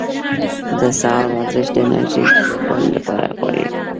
د سهار ورزش د انرژۍ د زیاتوالي لپاره غوره ده.